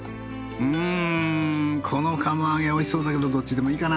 んこの釜揚げおいしそうだけどどっちでもいいかな。